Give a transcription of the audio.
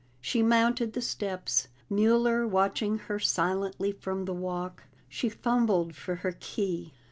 She mounted the steps, Mueller watching her silently from the walk; she fumbled for her key.